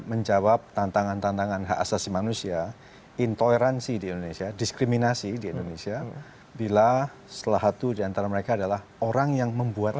menjawab tantangan tantangan hak asasi manusia intoleransi di indonesia diskriminasi di indonesia bila salah satu diantara mereka adalah orang yang membuat